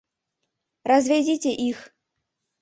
Разведите их!